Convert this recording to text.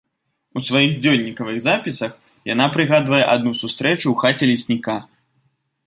У сваіх дзённікавых запісах яна прыгадвае адну сустрэчу ў хаце лесніка.